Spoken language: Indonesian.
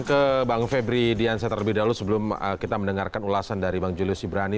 ke bang febri diansyah terlebih dahulu sebelum kita mendengarkan ulasan dari bang julio sibrani